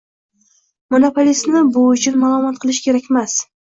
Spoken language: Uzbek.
Monopolistni bu uchun malomat qilish kerakmas.